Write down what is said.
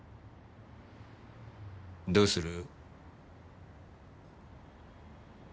どうする？